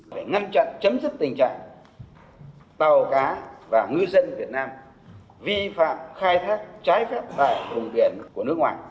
để ngăn chặn chấm dứt tình trạng tàu cá và ngư dân việt nam vi phạm khai thác trái phép tại vùng biển của nước ngoài